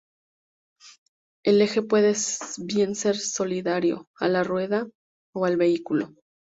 El eje puede bien ser solidario a la rueda o al vehículo.